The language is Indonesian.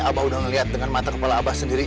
abah udah ngelihat dengan mata kepala abah sendiri